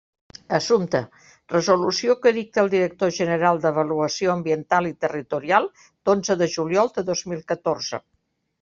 Assumpte: resolució que dicta el director general d'Avaluació Ambiental i Territorial, d'onze de juliol de dos mil catorze.